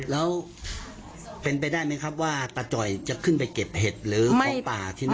แล้วเป็นไปได้ไหมครับว่าตาจ่อยจะขึ้นไปเก็บเห็ดหรือของป่าที่นี่